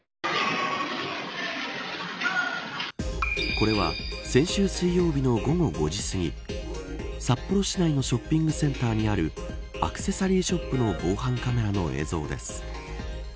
これは先週水曜日の午後５時すぎ札幌市内のショッピングセンターにあるアクセサリーショップの防犯カメラの映像です。